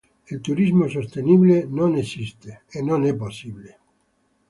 Il turismo sostenibile non esiste.